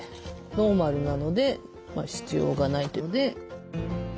ノーマルなので必要がないというので。